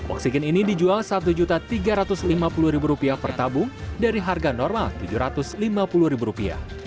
oksigen ini dijual rp satu tiga ratus lima puluh per tabung dari harga normal rp tujuh ratus lima puluh